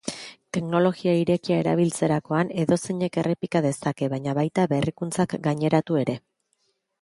Teknologia irekia erabiltzerakoan, edozeinek errepika dezake, baina baita berrikuntzak gaineratu ere.